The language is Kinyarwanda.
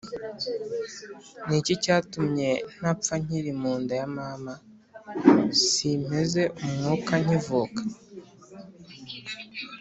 “ni iki cyatumye ntapfa nkiri mu nda ya mama, simpeze umwuka nkivuka’